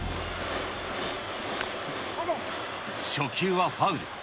初球はファウル。